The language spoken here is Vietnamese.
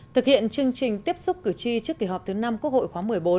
thực hiện chương trình tiếp xúc cử tri trước kỳ họp thứ năm quốc hội khóa một mươi bốn